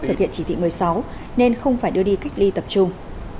thực hiện chỉ thị một mươi sáu nên không phải đưa đi cách ly tập trung